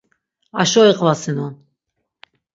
Aşo iqvasinon.